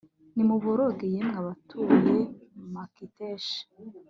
nimuboroge yemwe abatuye i makiteshi